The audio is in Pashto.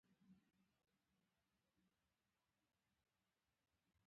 ورزش د بدن د پوستکي ځلا زیاتوي.